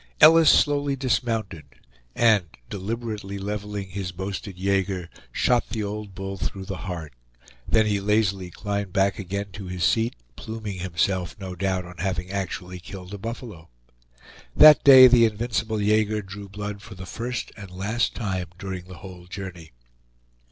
Ellis slowly dismounted, and deliberately leveling his boasted yager, shot the old bull through the heart; then he lazily climbed back again to his seat, pluming himself no doubt on having actually killed a buffalo. That day the invincible yager drew blood for the first and last time during the whole journey.